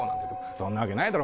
そんなわけないだろ！